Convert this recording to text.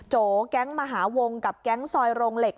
โจแก๊งมหาวงกับแก๊งซอยโรงเหล็ก